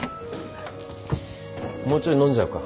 もうちょい飲んじゃうか？